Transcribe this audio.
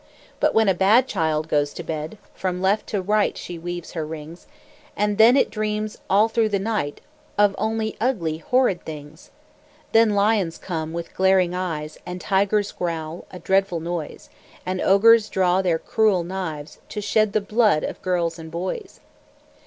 But when a bad child goes to bed, From left to right she weaves her rings, And then it dreams all through the night Of only ugly, horrid things! Then lions come with glaring eyes, And tigers growl, a dreadful noise, And ogres draw their cruel knives, To shed the blood of girls and boys.